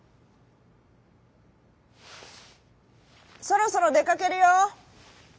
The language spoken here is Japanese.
「そろそろでかけるよ」。